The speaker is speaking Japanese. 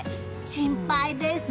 心配です。